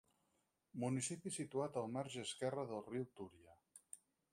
Municipi situat al marge esquerre del riu Túria.